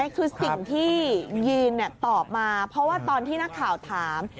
คือสิ่งที่ยีนตอบมาเพราะว่าตอนที่นักข่าวถาม